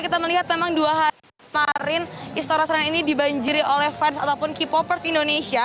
kita melihat memang dua hari kemarin istora senayan ini dibanjiri oleh fans ataupun k popers indonesia